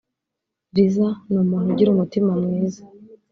Liza ni umuntu ugira umutima mwiza